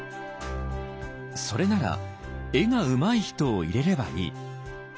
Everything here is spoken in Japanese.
「それなら絵がうまい人を入れればいい」。